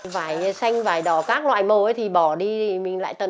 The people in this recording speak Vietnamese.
vải xanh vải đỏ các loại màu thì bỏ đi mình lại truyền